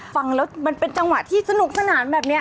ฟังแล้วมันเป็นจังหวะที่สนุกสนานแบบนี้